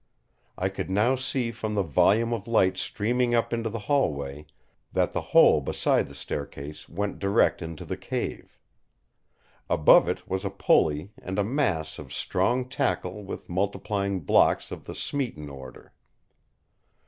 I could now see from the volume of light streaming up into the hallway that the hole beside the staircase went direct into the cave. Above it was a pulley and a mass of strong tackle with multiplying blocks of the Smeaton order.